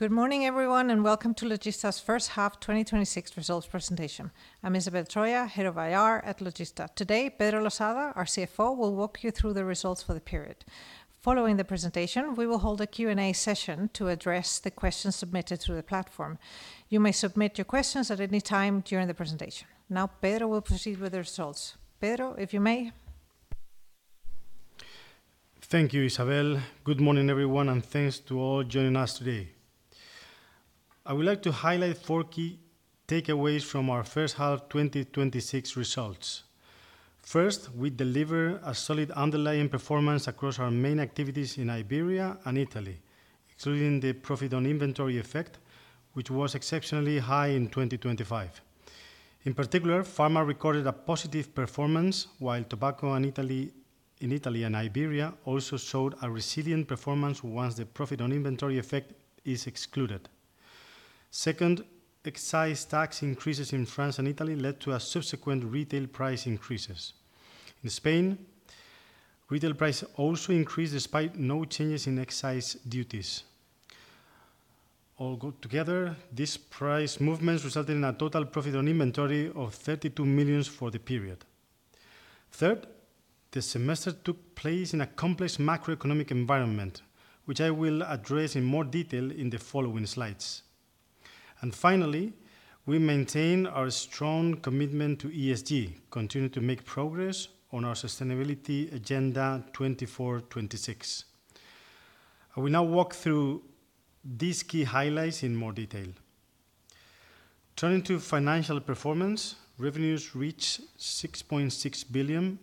Good morning, everyone, and welcome to Logista's First Half 2026 Results Presentation. I'm Isabel Troya, Head of IR at Logista. Today, Pedro Losada, our CFO, will walk you through the results for the period. Following the presentation, we will hold a Q&A session to address the questions submitted through the platform. You may submit your questions at any time during the presentation. Now, Pedro will proceed with the results. Pedro, if you may. Thank you, Isabel. Good morning, everyone, and thanks to all joining us today. I would like to highlight four key takeaways from our first half 2026 results. First, we deliver a solid underlying performance across our main activities in Iberia and Italy, excluding the profit on inventory effect, which was exceptionally high in 2025. In particular, pharma recorded a positive performance, while tobacco in Italy and Iberia also showed a resilient performance once the profit on inventory effect is excluded. Second, excise tax increases in France and Italy led to a subsequent retail price increases. In Spain, retail price also increased despite no changes in excise duties. All go together, these price movements resulted in a total profit on inventory of 32 million for the period. Third, the semester took place in a complex macroeconomic environment, which I will address in more detail in the following slides. Finally, we maintain our strong commitment to ESG, continue to make progress on our sustainability agenda 2024, 2026. I will now walk through these key highlights in more detail. Turning to financial performance, revenues reached 6.6 billion,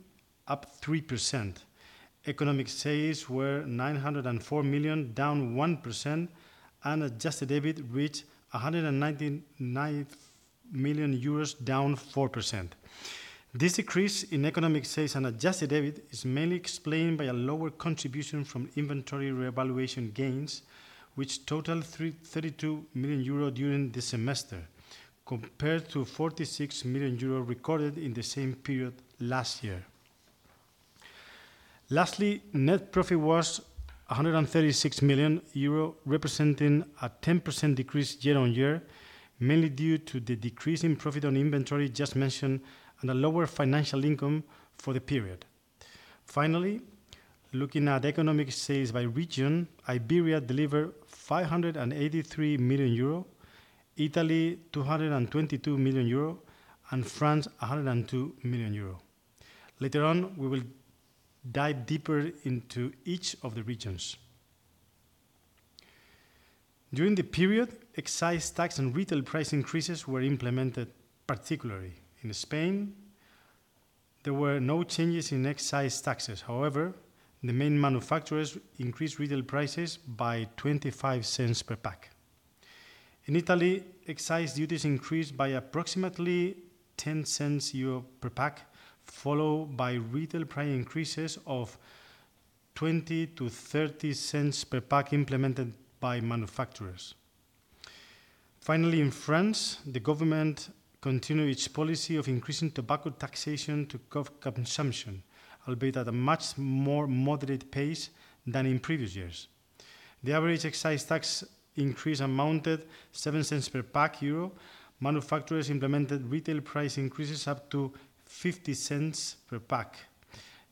up 3%. Economic sales were 904 million, down 1%, and adjusted EBIT reached 199 million euros, down 4%. This decrease in Economic sales and adjusted EBIT is mainly explained by a lower contribution from inventory revaluation gains, which totaled 32 million euro during the semester, compared to 46 million euro recorded in the same period last year. Net profit was 136 million euro, representing a 10% decrease year-on-year, mainly due to the decrease in profit on inventory just mentioned and a lower financial income for the period. Finally, looking at economic sales by region, Iberia delivered 583 million euro, Italy 222 million euro, and France 102 million euro. Later on, we will dive deeper into each of the regions. During the period, excise tax and retail price increases were implemented, particularly. In Spain, there were no changes in excise taxes. The main manufacturers increased retail prices by 0.25 per pack. In Italy, excise duties increased by approximately 0.10 per pack, followed by retail price increases of 0.20-0.30 per pack implemented by manufacturers. In France, the government continued its policy of increasing tobacco taxation to consumption, albeit at a much more moderate pace than in previous years. The average excise tax increase amounted 0.07 per pack. Manufacturers implemented retail price increases up to 0.50 per pack,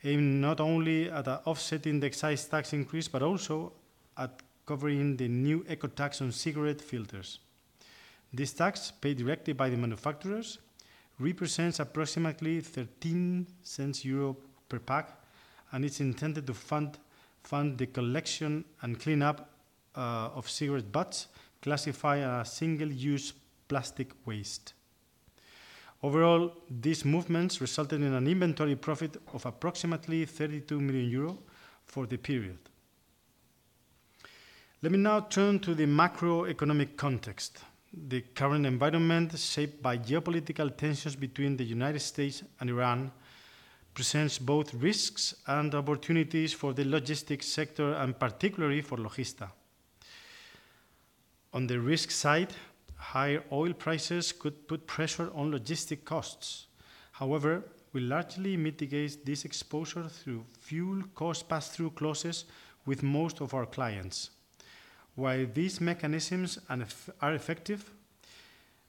aiming not only at offsetting the excise tax increase, but also at covering the new eco-tax on cigarette filters. This tax, paid directly by the manufacturers, represents approximately 0.13 per pack, and it's intended to fund the collection and cleanup of cigarette butts, classified as single-use plastic waste. These movements resulted in an inventory profit of approximately 32 million euro for the period. Let me now turn to the macroeconomic context. The current environment, shaped by geopolitical tensions between the United States and Iran, presents both risks and opportunities for the logistics sector and particularly for Logista. On the risk side, higher oil prices could put pressure on logistic costs. We largely mitigate this exposure through fuel cost pass-through clauses with most of our clients. While these mechanisms are effective,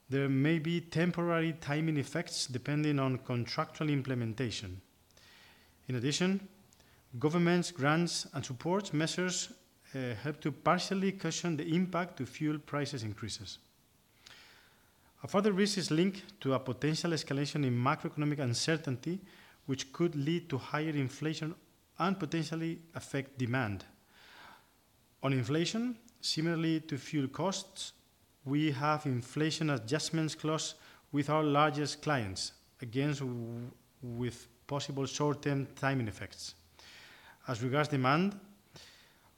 there may be temporary timing effects depending on contractual implementation. Governments' grants and support measures help to partially cushion the impact to fuel prices increases. A further risk is linked to a potential escalation in macroeconomic uncertainty, which could lead to higher inflation and potentially affect demand. On inflation, similarly to fuel costs, we have inflation adjustments clause with our largest clients, again, with possible short-term timing effects. As regards demand,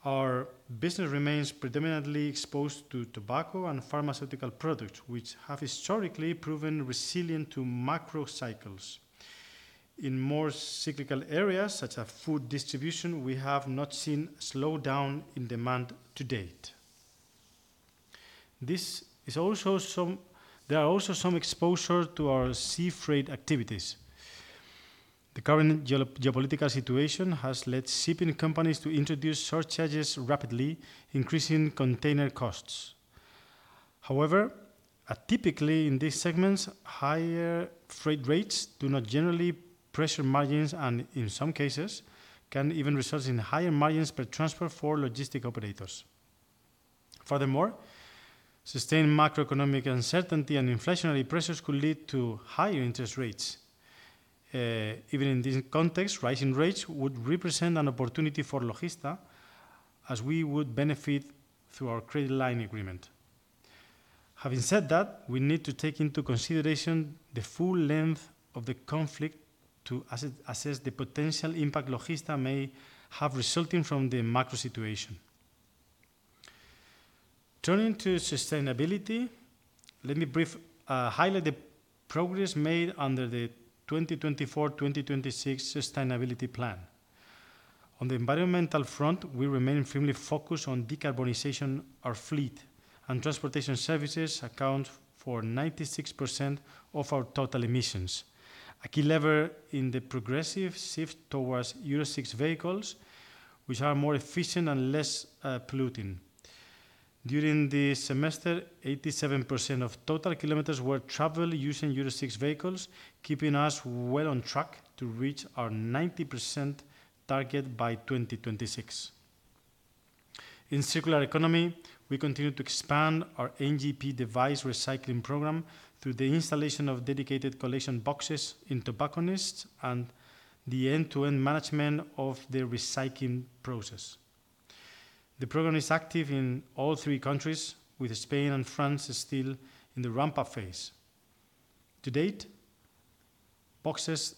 our business remains predominantly exposed to tobacco and pharmaceutical products, which have historically proven resilient to macro cycles. In more cyclical areas, such as food distribution, we have not seen slowdown in demand to date. There are also some exposure to our sea freight activities. The current geopolitical situation has led shipping companies to introduce surcharges rapidly, increasing container costs. Typically in these segments, higher freight rates do not generally pressure margins and in some cases can even result in higher margins per transport for logistic operators. Sustained macroeconomic uncertainty and inflationary pressures could lead to higher interest rates. Even in this context, rising rates would represent an opportunity for Logista as we would benefit through our credit line agreement. Having said that, we need to take into consideration the full length of the conflict to assess the potential impact Logista may have resulting from the macro situation. Turning to sustainability, let me brief highlight the progress made under the 2024/2026 Sustainability Plan. On the environmental front, we remain firmly focused on decarbonization our fleet and transportation services account for 96% of our total emissions. A key lever in the progressive shift towards Euro 6 vehicles, which are more efficient and less polluting. During the semester, 87% of total kilometers were traveled using Euro 6 vehicles, keeping us well on track to reach our 90% target by 2026. In circular economy, we continue to expand our NGP device recycling program through the installation of dedicated collection boxes in tobacconists and the end-to-end management of the recycling process. The program is active in all three countries, with Spain and France still in the ramp-up phase. To date, boxes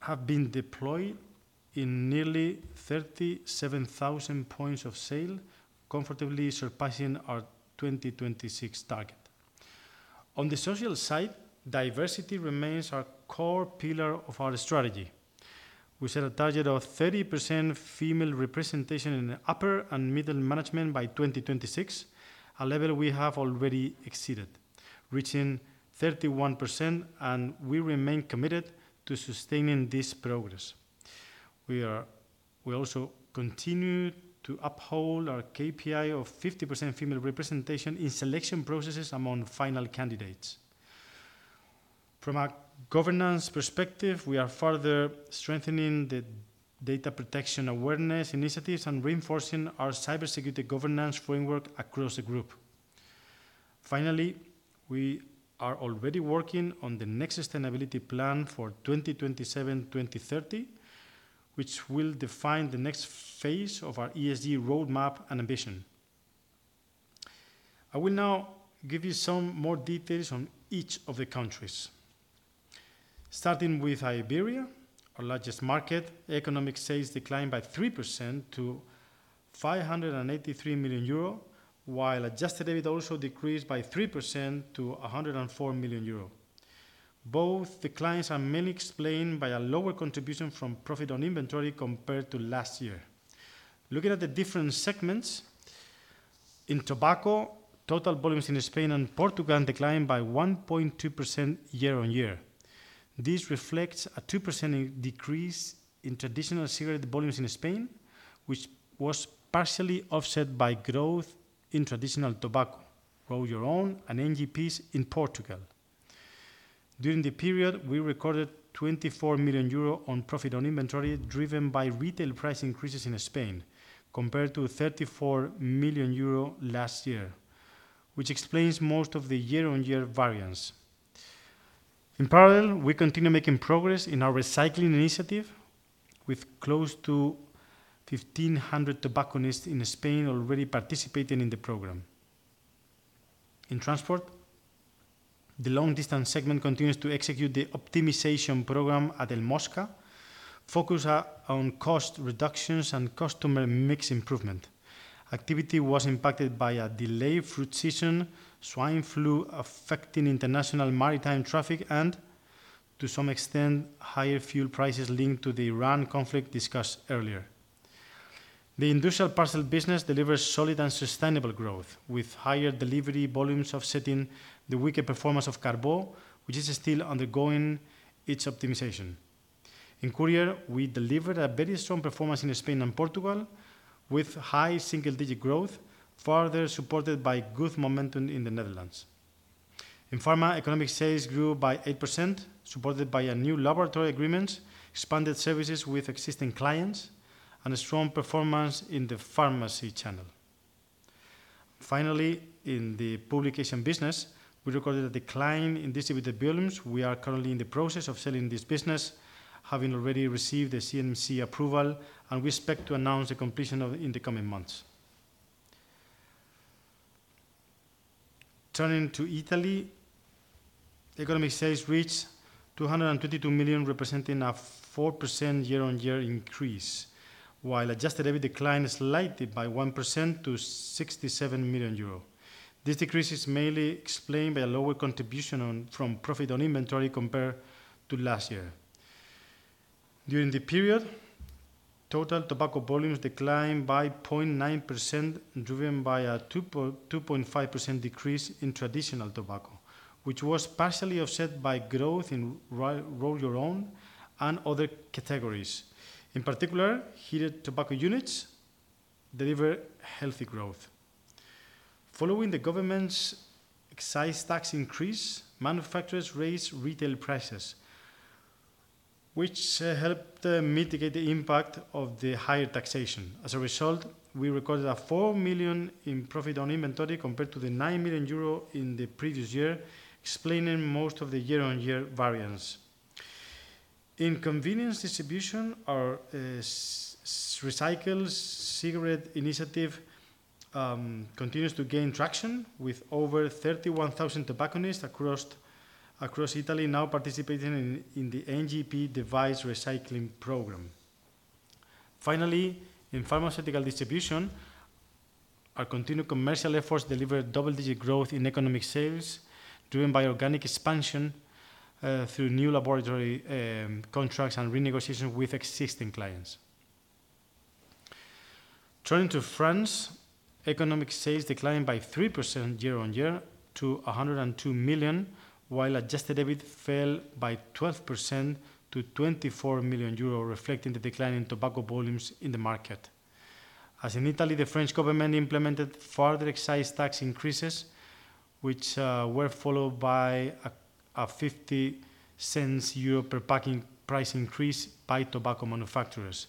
have been deployed in nearly 37,000 points of sale, comfortably surpassing our 2026 target. On the social side, diversity remains our core pillar of our strategy. We set a target of 30% female representation in upper and middle management by 2026, a level we have already exceeded, reaching 31%, and we remain committed to sustaining this progress. We also continue to uphold our KPI of 50% female representation in selection processes among final candidates. From a governance perspective, we are further strengthening the data protection awareness initiatives and reinforcing our cybersecurity governance framework across the group. Finally, we are already working on the next sustainability plan for 2027/2030, which will define the next phase of our ESG roadmap and ambition. I will now give you some more details on each of the countries. Starting with Iberia, our largest market, economic sales declined by 3% to 583 million euro, while adjusted EBIT also decreased by 3% to 104 million euro. Both declines are mainly explained by a lower contribution from profit on inventory compared to last year. Looking at the different segments, in tobacco, total volumes in Spain and Portugal declined by 1.2% year-on-year. This reflects a 2% decrease in traditional cigarette volumes in Spain, which was partially offset by growth in traditional tobacco, Grow Your Own and NGPs in Portugal. During the period, we recorded 24 million euro on profit on inventory, driven by retail price increases in Spain, compared to 34 million euro last year, which explains most of the year-on-year variance. In parallel, we continue making progress in our recycling initiative, with close to 1,500 tobacconists in Spain already participating in the program. In transport, the long-distance segment continues to execute the optimization program at El Mosca, focused on cost reductions and customer mix improvement. Activity was impacted by a delayed fruit season, swine flu affecting international maritime traffic and, to some extent, higher fuel prices linked to the Iran conflict discussed earlier. The industrial parcel business delivers solid and sustainable growth, with higher delivery volumes offsetting the weaker performance of Carbó, which is still undergoing its optimization. In Courier, we delivered a very strong performance in Spain and Portugal, with high single-digit growth, further supported by good momentum in the Netherlands. In Pharma, economic sales grew by 8%, supported by a new laboratory agreement, expanded services with existing clients, and a strong performance in the pharmacy channel. Finally, in the publication business, we recorded a decline in distributed volumes. We are currently in the process of selling this business, having already received the CNMC approval, and we expect to announce the completion of it in the coming months. Turning to Italy, economic sales reached 222 million, representing a 4% year-over-year increase, while adjusted EBIT declined slightly by 1% to 67 million euro. This decrease is mainly explained by a lower contribution from profit on inventory compared to last year. During the period, total tobacco volumes declined by 0.9%, driven by a 2.5% decrease in traditional tobacco, which was partially offset by growth in roll-your-own and other categories. In particular, heated tobacco units deliver healthy growth. Following the government's excise tax increase, manufacturers raised retail prices, which helped mitigate the impact of the higher taxation. As a result, we recorded 4 million in profit on inventory compared to 9 million euro in the previous year, explaining most of the year-over-year variance. In convenience distribution, our recycled cigarette initiative continues to gain traction, with over 31,000 tobacconists across Italy now participating in the NGP device recycling program. Finally, in pharmaceutical distribution, our continued commercial efforts delivered double-digit growth in economic sales, driven by organic expansion through new laboratory contracts and renegotiations with existing clients. Turning to France, economic sales declined by 3% year-on-year to 102 million, while adjusted EBIT fell by 12% to 24 million euro, reflecting the decline in tobacco volumes in the market. As in Italy, the French government implemented further excise tax increases, which were followed by a 0.50 per packing price increase by tobacco manufacturers.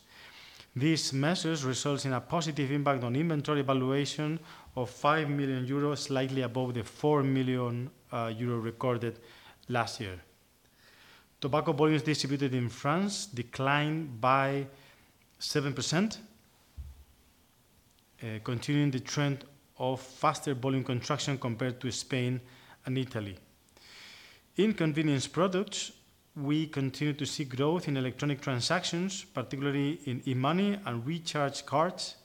These measures results in a positive impact on inventory valuation of 5 million euros, slightly above the 4 million euro recorded last year. Tobacco volumes distributed in France declined by 7%, continuing the trend of faster volume contraction compared to Spain and Italy. In convenience products, we continue to see growth in electronic transactions, particularly in e-money and recharge cards.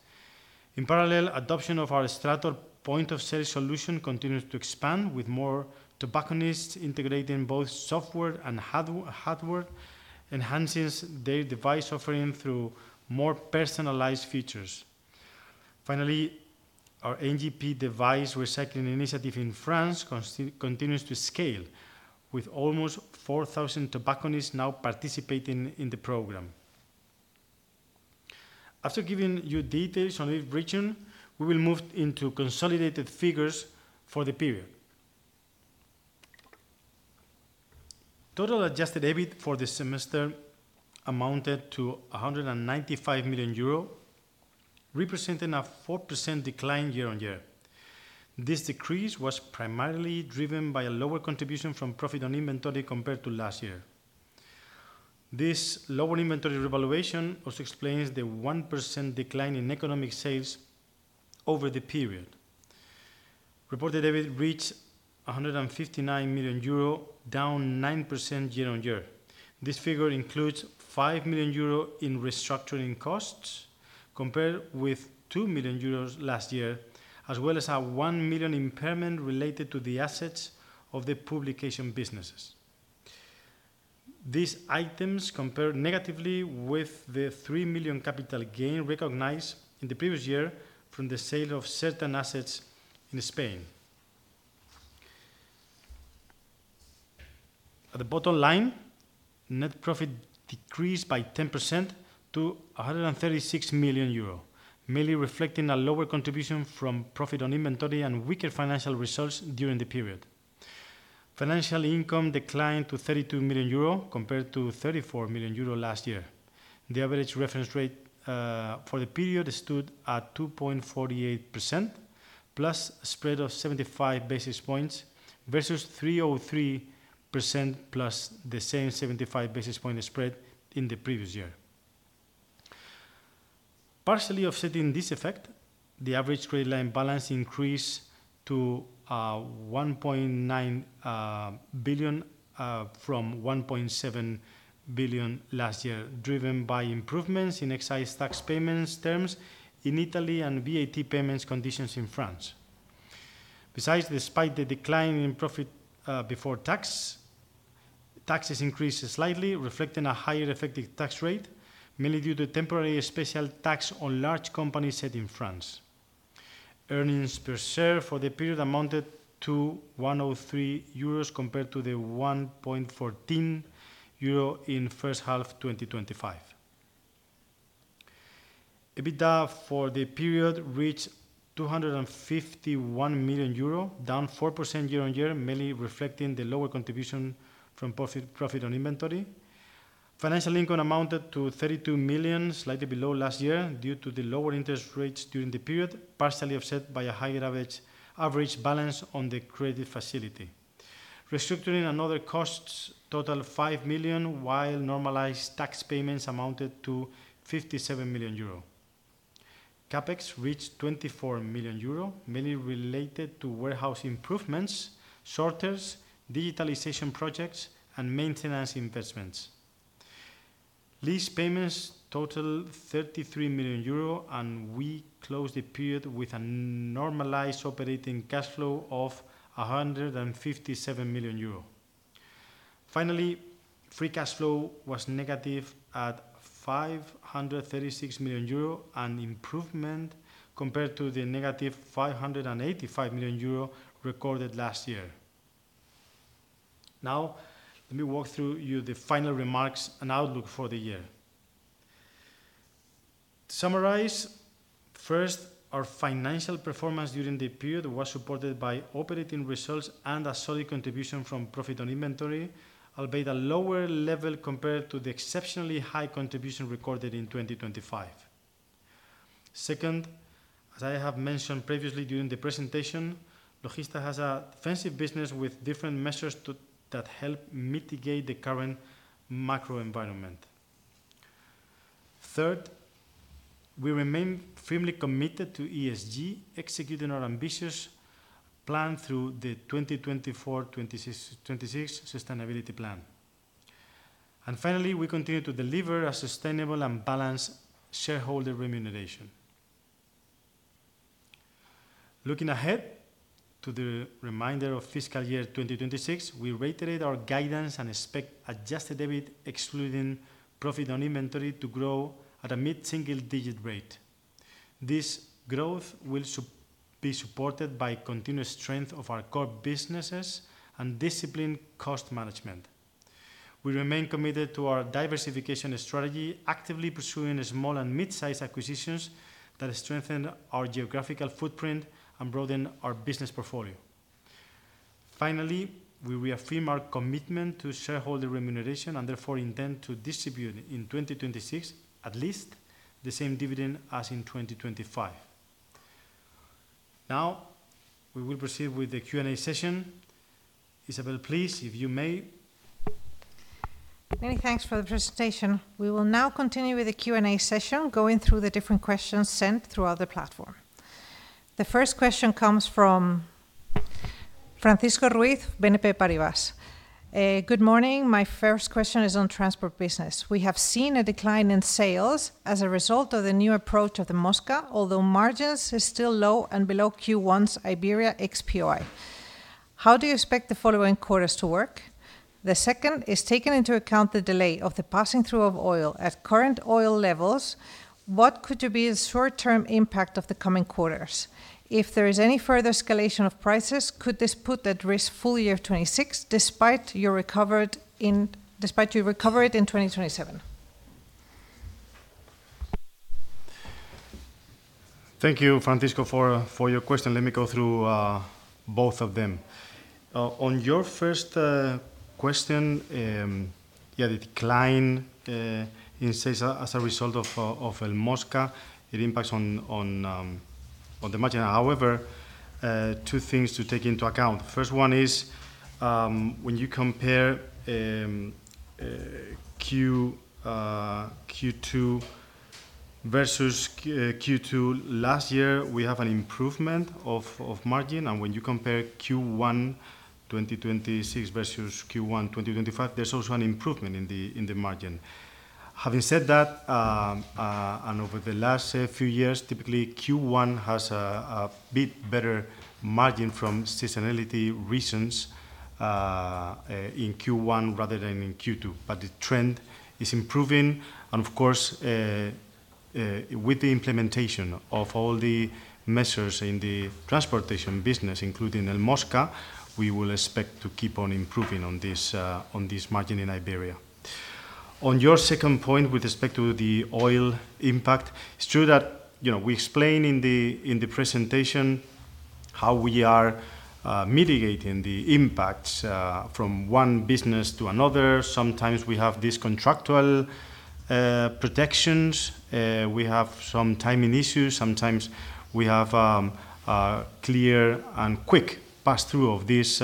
In parallel, adoption of our Strator point of sale solution continues to expand, with more tobacconists integrating both software and hardware enhances their device offering through more personalized features. Finally, our NGP device recycling initiative in France continues to scale, with almost 4,000 tobacconists now participating in the program. After giving you details on each region, we will move into consolidated figures for the period. Total adjusted EBIT for the semester amounted to 195 million euro, representing a 4% decline year-on-year. This decrease was primarily driven by a lower contribution from profit on inventory compared to last year. This lower inventory revaluation also explains the 1% decline in economic sales over the period. Reported EBIT reached 159 million euro, down 9% year-on-year. This figure includes 5 million euro in restructuring costs compared with 2 million euros last year, as well as a 1 million impairment related to the assets of the publication businesses. These items compare negatively with the 3 million capital gain recognized in the previous year from the sale of certain assets in Spain. At the bottom line, net profit decreased by 10% to 136 million euro, mainly reflecting a lower contribution from profit on inventory and weaker financial results during the period. Financial income declined to 32 million euro compared to 34 million euro last year. The average reference rate for the period stood at 2.48% plus spread of 75 basis points versus 3.03% plus the same 75 basis point spread in the previous year. Partially offsetting this effect, the average credit line balance increased to 1.9 billion from 1.7 billion last year, driven by improvements in excise tax payments terms in Italy and VAT payments conditions in France. Besides, despite the decline in profit before tax, taxes increased slightly, reflecting a higher effective tax rate, mainly due to temporary special tax on large companies set in France. Earnings per share for the period amounted to 1.03 euros compared to the 1.14 euro in first half 2025. EBITDA for the period reached 251 million euro, down 4% year-on-year, mainly reflecting the lower contribution from profit on inventory. Financial income amounted to 32 million, slightly below last year due to the lower interest rates during the period, partially offset by a higher average balance on the credit facility. Restructuring and other costs totaled 5 million, while normalized tax payments amounted to 57 million euro. CapEx reached 24 million euro, mainly related to warehouse improvements, sorters, digitalization projects, and maintenance investments. Lease payments totaled 33 million euro, and we closed the period with a normalized operating cash flow of 157 million euro. Finally, free cash flow was negative at 536 million euro, an improvement compared to the negative 585 million euro recorded last year. Let me walk through you the final remarks and outlook for the year. To summarize, first, our financial performance during the period was supported by operating results and a solid contribution from profit on inventory, albeit a lower level compared to the exceptionally high contribution recorded in 2025. Second, as I have mentioned previously during the presentation, Logista has a defensive business with different measures that help mitigate the current macro environment. Third, we remain firmly committed to ESG, executing our ambitious plan through the 2024-2026 sustainability plan. Finally, we continue to deliver a sustainable and balanced shareholder remuneration. Looking ahead to the remainder of fiscal year 2026, we reiterate our guidance and expect adjusted EBIT, excluding profit on inventory, to grow at a mid-single digit rate. This growth will be supported by continuous strength of our core businesses and disciplined cost management. We remain committed to our diversification strategy, actively pursuing small and mid-sized acquisitions that strengthen our geographical footprint and broaden our business portfolio. Finally, we reaffirm our commitment to shareholder remuneration, and therefore intend to distribute in 2026 at least the same dividend as in 2025. Now, we will proceed with the Q&A session. Isabel, please, if you may. Many thanks for the presentation. We will now continue with the Q&A session, going through the different questions sent throughout the platform. The first question comes from Francisco Ruiz, BNP Paribas. "Good morning. My first question is on transport business. We have seen a decline in sales as a result of the new approach of the Mosca, although margins is still low and below Q1 Iberia EX-POI. How do you expect the following quarters to work? The second is, taking into account the delay of the passing through of oil at current oil levels, what could you be the short-term impact of the coming quarters? If there is any further escalation of prices, could this put at risk full year of 2026, despite you recover it in 2027? Thank you, Francisco, for your question. Let me go through both of them. On your first question, yeah, the decline in sales as a result of El Mosca, it impacts on the margin. However, two things to take into account. First one is, when you compare Q2 versus Q2 last year, we have an improvement of margin. And when you compare Q1 2026 versus Q1 2025, there's also an improvement in the margin. Having said that, and over the last few years, typically Q1 has a bit better margin from seasonality reasons in Q1 rather than in Q2. The trend is improving. Of course, with the implementation of all the measures in the transportation business, including El Mosca, we will expect to keep on improving on this margin in Iberia. On your second point with respect to the oil impact, it's true that, you know, we explain in the presentation how we are mitigating the impacts from one business to another. Sometimes we have these contractual protections. We have some timing issues. Sometimes we have clear and quick pass-through of these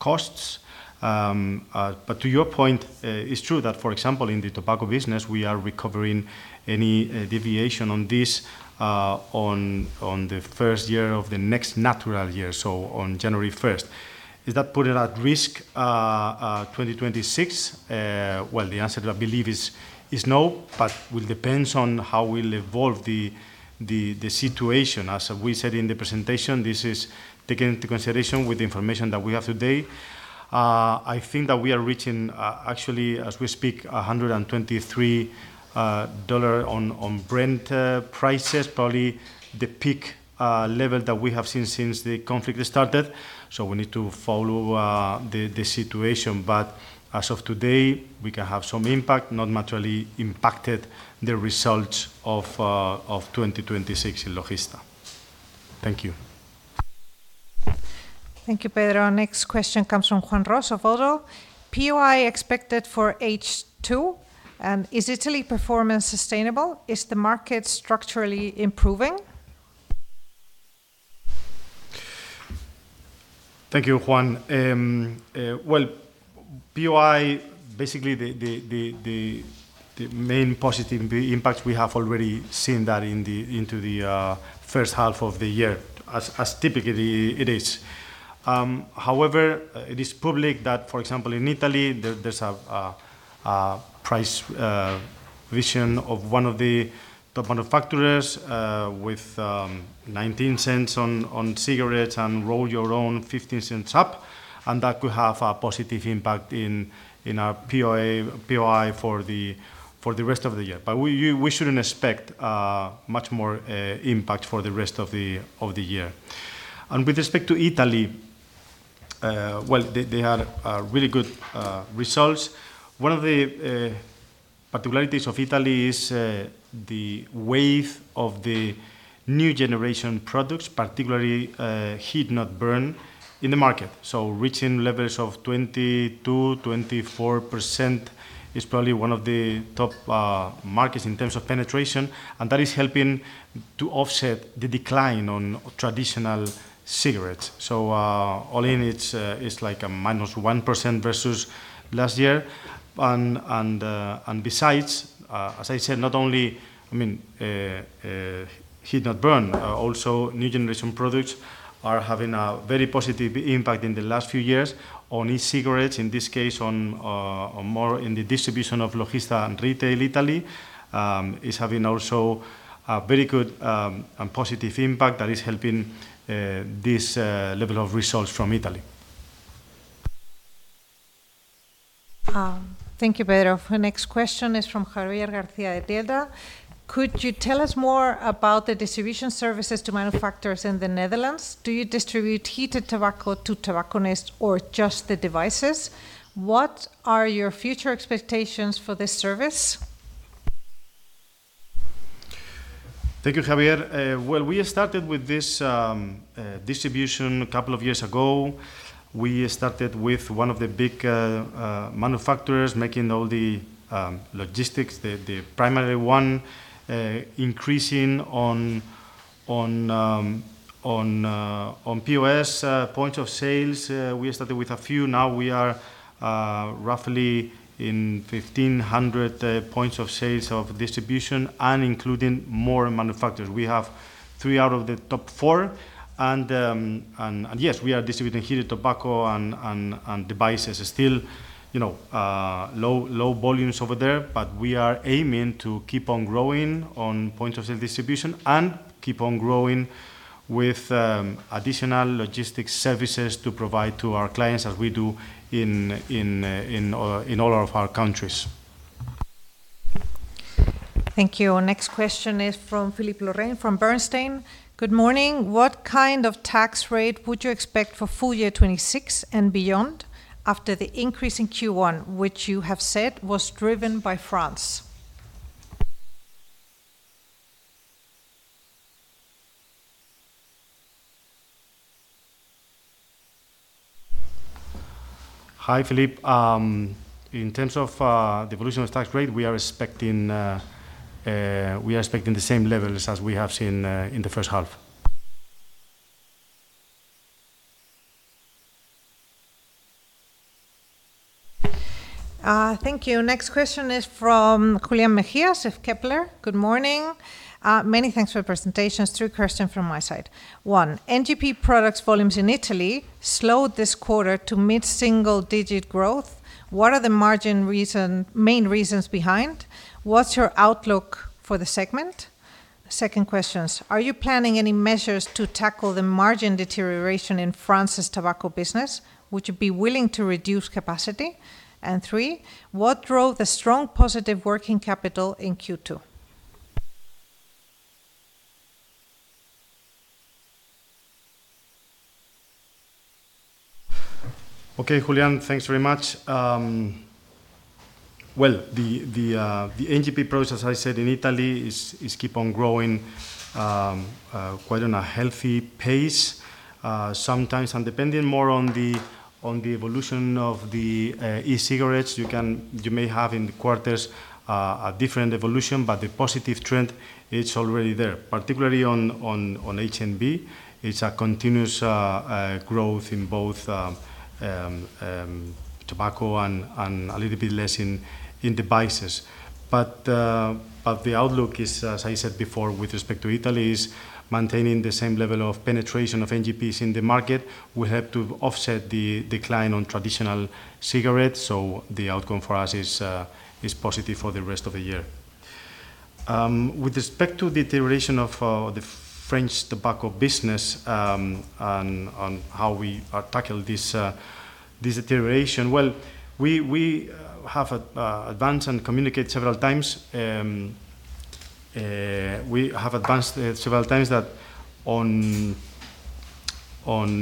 costs. To your point, it's true that, for example, in the tobacco business, we are recovering any deviation on this on the first year of the next natural year, so on January 1st. Does that put it at risk, 2026? Well, the answer I believe is no, but will depends on how will evolve the situation. As we said in the presentation, this is taken into consideration with the information that we have today. I think that we are reaching, actually as we speak, $123 on Brent prices, probably the peak level that we have seen since the conflict started. We need to follow the situation. As of today, we can have some impact, not materially impacted the results of 2026 in Logista. Thank you. Thank you, Pedro. Next question comes from Juan Ros of ODDO. POI expected for H2, and is Italy performance sustainable? Is the market structurally improving? Thank you, Juan. POI, basically the main positive impact, we have already seen that in the first half of the year as typically it is. However, it is public that, for example, in Italy, there's a price revision of one of the top manufacturers, with 0.19 on cigarettes and roll-your-own 0.15 up, and that could have a positive impact in our POI for the rest of the year. We shouldn't expect much more impact for the rest of the year. With respect to Italy, they had really good results. One of the particularities of Italy is the wave of the new generation products, particularly heat-not-burn, in the market. Reaching levels of 22%, 24% is probably one of the top markets in terms of penetration, that is helping to offset the decline on traditional cigarettes. All in it's like a -1% versus last year. Besides, as I said, not only, I mean, heat-not-burn, also new generation products are having a very positive impact in the last few years on e-cigarettes, in this case on more in the distribution of Logista and retail Italy, is having also a very good and positive impact that is helping this level of results from Italy. Thank you, Pedro. Our next question is from Javier Garcia at Edel. Could you tell us more about the distribution services to manufacturers in the Netherlands? Do you distribute heated tobacco to tobacconists or just the devices? What are your future expectations for this service? Thank you, Javier. Well, we started with this distribution a couple of years ago. We started with one of the big manufacturers making all the logistics, the primary one, increasing on POS, point of sales. We started with a few. Now we are roughly in 1,500 points of sales of distribution and including more manufacturers. We have three out of the top four. Yes, we are distributing heated tobacco on devices. Still, you know, low volumes over there, but we are aiming to keep on growing on point of sale distribution and keep on growing with additional logistics services to provide to our clients as we do in all of our countries. Thank you. Our next question is from Philippe Lorrain from Bernstein. Good morning. What kind of tax rate would you expect for full year 2026 and beyond after the increase in Q1, which you have said was driven by France? Hi, Philippe. In terms of the evolution of tax rate, we are expecting the same levels as we have seen in the first half. Thank you. Next question is from Julián Megías of Kepler. Good morning. Many thanks for your presentations. Two questions from my side. One, NGP products volumes in Italy slowed this quarter to mid-single digit growth. What are the margin reason, main reasons behind? What's your outlook for the segment? Second questions, are you planning any measures to tackle the margin deterioration in France's tobacco business? Would you be willing to reduce capacity? Three, what drove the strong positive working capital in Q2? Okay, Julián, thanks very much. The NGP products, as I said, in Italy is keep on growing quite on a healthy pace. Sometimes depending more on the evolution of the e-cigarettes, you may have in quarters a different evolution, but the positive trend is already there. Particularly on HnB, it's a continuous growth in both tobacco and a little bit less in devices. The outlook is, as I said before, with respect to Italy, is maintaining the same level of penetration of NGPs in the market. We have to offset the decline on traditional cigarettes, the outcome for us is positive for the rest of the year. With respect to deterioration of the French tobacco business, and on how we are tackle this deterioration, well, we have advanced and communicate several times, we have advanced several times that on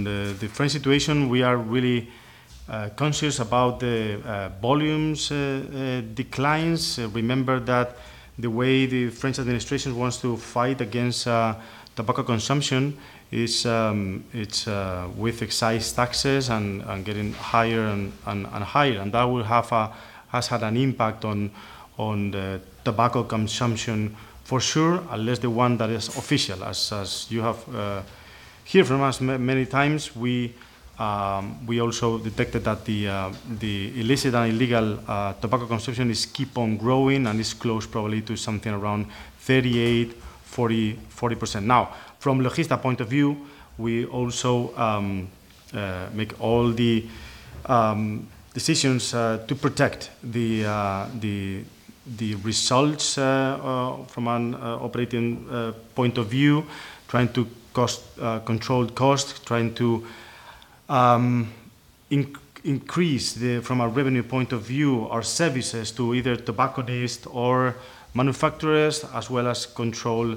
the French situation, we are really conscious about the volumes declines. Remember that the way the French administration wants to fight against tobacco consumption is, it's with excise taxes and getting higher and higher. That has had an impact on the tobacco consumption for sure, at least the one that is official. As you have heard from us many times, we also detected that the illicit and illegal tobacco consumption is keeping on growing and is close probably to something around 38%, 40%. From Logista point of view, we also make all the decisions to protect the results from an operating point of view. Trying to control cost. Trying to increase the, from a revenue point of view, our services to either tobacconist or manufacturers, as well as control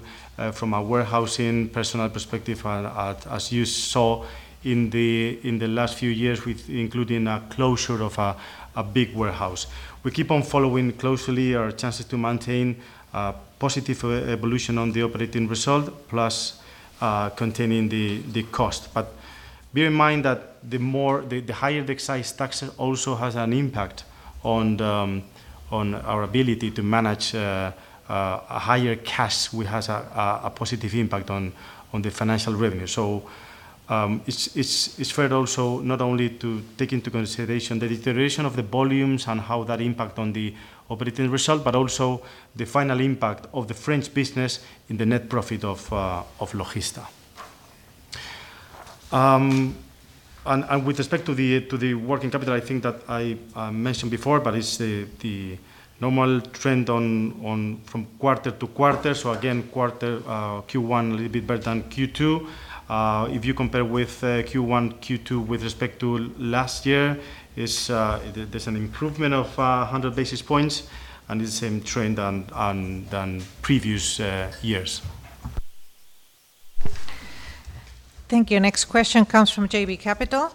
from a warehousing personal perspective. As you saw in the last few years with including a closure of a big warehouse. We keep on following closely our chances to maintain positive evolution on the operating result, plus containing the cost. Bear in mind that the higher the excise tax also has an impact on our ability to manage a higher cash, which has a positive impact on the financial revenue. It's fair also not only to take into consideration the deterioration of the volumes and how that impact on the operating result, but also the final impact of the French business in the net profit of Logista. And with respect to the working capital, I think that I mentioned before, but it's the normal trend from quarter to quarter. Again, quarter Q1 a little bit better than Q2. If you compare with Q1, Q2 with respect to last year, there's an improvement of 100 basis points. It's the same trend on than previous years. Thank you. Next question comes from JB Capital.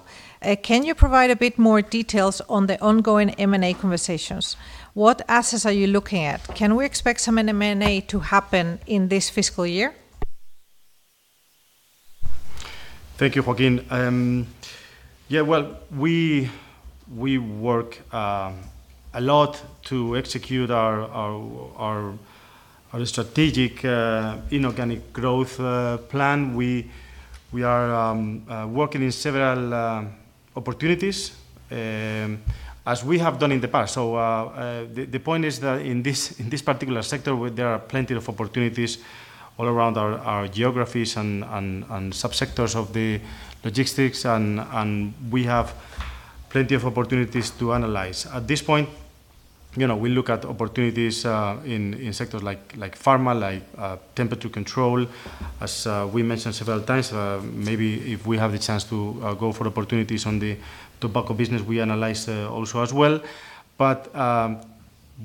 Can you provide a bit more details on the ongoing M&A conversations? What assets are you looking at? Can we expect some M&A to happen in this fiscal year? Thank you, Joaquín. We work a lot to execute our strategic inorganic growth plan. We are working in several opportunities as we have done in the past. The point is that in this particular sector, where there are plenty of opportunities all around our geographies and subsectors of the logistics, we have plenty of opportunities to analyze. At this point, you know, we look at opportunities in sectors like pharma, like temperature control. As we mentioned several times, maybe if we have the chance to go for opportunities on the tobacco business, we analyze also as well.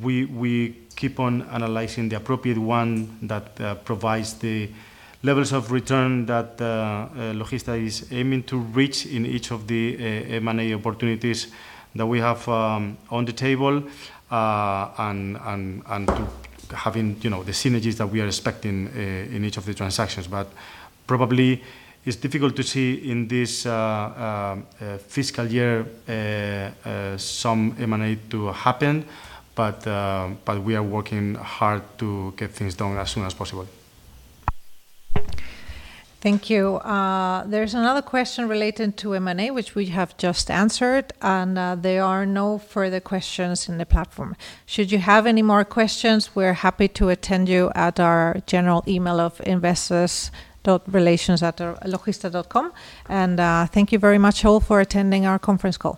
We keep on analyzing the appropriate one that provides the levels of return that Logista is aiming to reach in each of the M&A opportunities that we have on the table, to having, you know, the synergies that we are expecting in each of the transactions. probably it's difficult to see in this fiscal year some M&A to happen, but we are working hard to get things done as soon as possible. Thank you. There's another question related to M&A which we have just answered. There are no further questions in the platform. Should you have any more questions, we're happy to attend you at our general email of investors.relations@logista.com. Thank you very much all for attending our conference call.